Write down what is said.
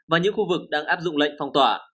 và những khu vực đang áp dụng lệnh phong tỏa